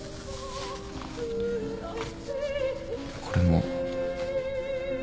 これも。